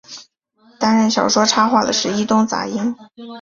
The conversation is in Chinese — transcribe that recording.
担任小说插画的是伊东杂音。